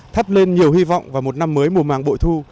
thắp lên nhiều hy vọng vào một năm mới mùa màng bội thu